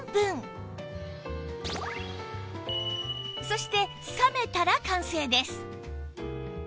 そして冷めたら完成です